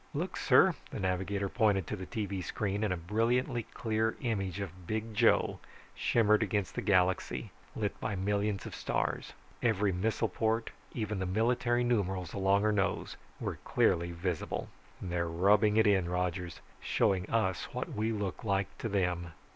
"Look, sir." The navigator pointed to the tv screen and a brilliantly clear image of Big Joe shimmering against the galaxy, lit by millions of stars. Every missile port, even the military numerals along her nose were clearly visible. "They're rubbing it in, Rogers. Showing us what we look like to them."